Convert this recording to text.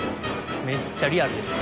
「めっちゃリアルでしょ？」